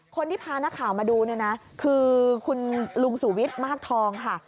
คนที่พานักข่าวมาดูเนี่ยนะคือคุณลุงสุวิทย์มากทองค่ะ